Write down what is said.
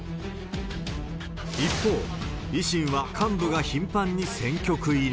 一方、維新は幹部が頻繁に選挙区入り。